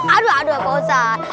aduh aduh pak ustadz